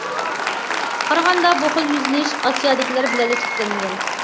قارىغاندا، بۇ خىل يۈزلىنىش ئاسىيادىكىلەر بىلەنلا چەكلەنمىگەن.